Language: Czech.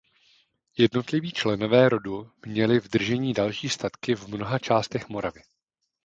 Jednotliví členové rodu měli v držení další statky v mnoha částech Moravy.